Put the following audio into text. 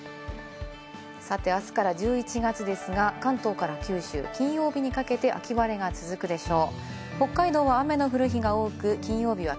さて、あすから１１月ですが、関東から九州、金曜日にかけて秋晴れが続くでしょう。